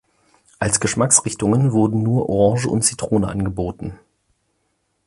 Als Geschmacksrichtungen wurden nur Orange und Zitrone angeboten.